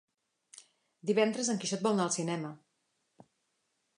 Divendres en Quixot vol anar al cinema.